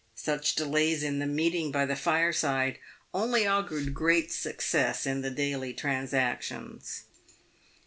Such delays in the meeting by the fireside only augured great success in the daily transactions.